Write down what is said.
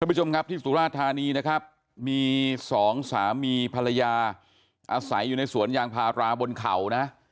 ผู้ชมครับที่สุราธานีนะครับมีสองสามีภรรยาอาศัยอยู่ในสวนยางพาราบนเขานะ